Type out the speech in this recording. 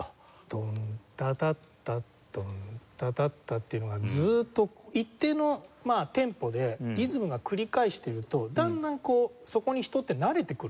ドンタタッタドンタタッタっていうのがずっと一定のテンポでリズムが繰り返してるとだんだんこうそこに人って慣れてくるんですよね。